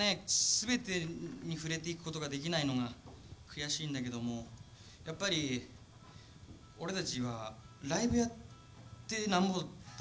全てに触れていくことができないのが悔しいんだけどもやっぱり俺たちはライブやってなんぼだと思っていますから